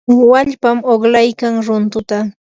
wallpam uqlaykan runtunta.